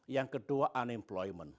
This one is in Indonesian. yang kedua unemployment